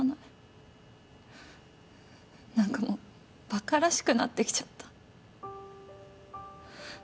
何かもうバカらしくなってきちゃった。